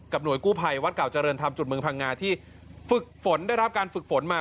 หน่วยกู้ภัยวัดเก่าเจริญธรรมจุดเมืองพังงาที่ฝึกฝนได้รับการฝึกฝนมา